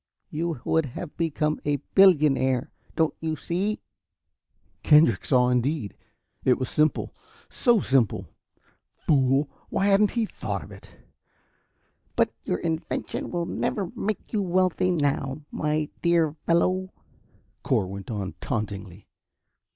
You would have become a billionaire, don't you see?" Kendrick saw indeed. It was simple, so simple! Fool why hadn't he thought of it? "But your invention will never make you wealthy now, my dear fellow," Cor went on, tauntingly.